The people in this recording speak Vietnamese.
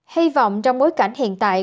hy vọng trong bối cảnh hiện tại